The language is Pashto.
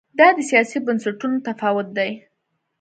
دا د سیاسي بنسټونو تفاوت دی.